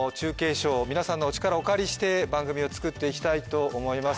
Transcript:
ショー皆さんのお力をお借りして番組を作っていきたいと思います